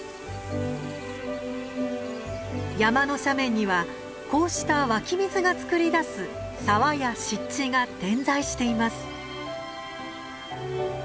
山の斜面にはこうした湧き水がつくり出す沢や湿地が点在しています。